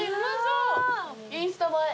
インスタ映え。